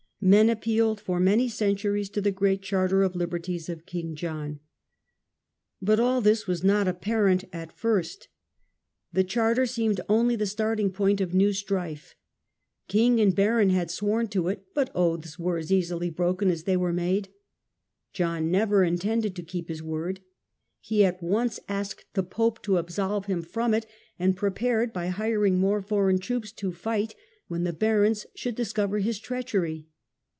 Men appealed for many centuries to the Great Charter of Liberties of King John. But all this was not apparent at first. The charter 58 DEATH OF JOHN. seemed only the starting point for new strife. King and baron had sworn to it, but oaths were as easily broken as they were made. John never intended to keep his word. He at once asked the pope to absolve him from it, and prepared, by hiring more foreign troops, to fight when the barons should discover his treachery.